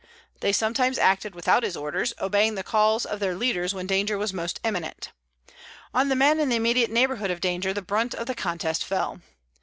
They sometimes acted without his orders, obeying the calls of their leaders when danger was most imminent. On the men in the immediate neighborhood of danger the brunt of the contest fell.